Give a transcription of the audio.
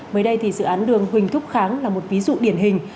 mới đây thì dự án đường huỳnh thúc kháng là một ví dụ điển hình